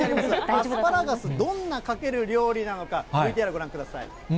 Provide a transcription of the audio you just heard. アスパラガス、どんなかける料理なのか、ＶＴＲご覧ください。